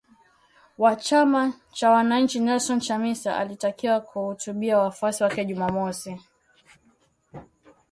wa chama cha wananchi Nelson Chamisa alitakiwa kuhutubia wafuasi wake Jumamosi